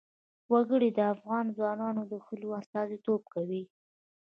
وګړي د افغان ځوانانو د هیلو استازیتوب کوي.